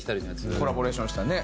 コラボレーションしたね。